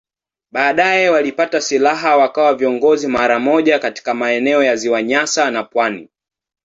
Baadaye walipata silaha wakawa viongozi mara moja katika maeneo ya Ziwa Nyasa na pwani.